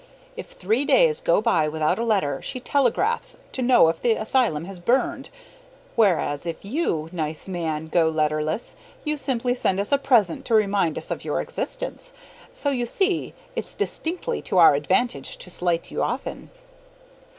If three days go by without a letter she telegraphs to know if the asylum has burned; whereas, if you nice man go letterless, you simply send us a present to remind us of your existence. So, you see, it's distinctly to our advantage to slight you often.